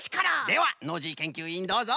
ではノージーけんきゅういんどうぞ。